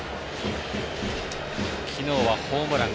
昨日はホームラン。